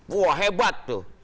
wah hebat tuh